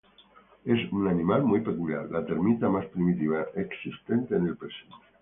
Es un animal muy peculiar, la termita más primitiva existente en el presente.